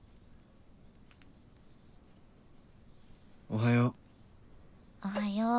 「おはよー」。